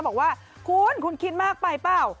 บอกว่าคุณคุณคิดมากไปเปล่า